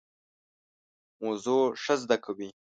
موضوع ښه زده کوي.